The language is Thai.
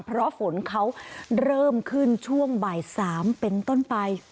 เพราะฝนเขาเริ่มขึ้นช่วงบ่าย๓เป็นต้นไป